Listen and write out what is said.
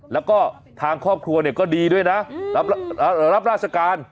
แล้วก็ทางครอบครัวเนี่ยก็ดีด้วยนะรับราชการ